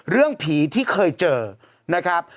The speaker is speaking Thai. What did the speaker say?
เรื่องผีที่เคยเจอนะครับ